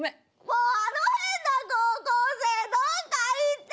もうあの変な高校生どっか行ってよ！